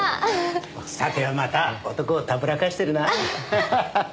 さてはまた男をたぶらかしてるな？